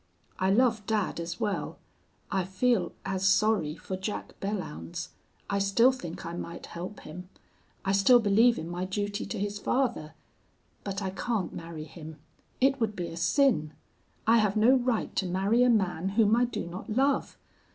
I love dad as well. I feel as sorry for Jack Belllounds. I still think I might help him. I still believe in my duty to his father. But I can't marry him. It would be a sin. I have no right to marry a man whom I do not love.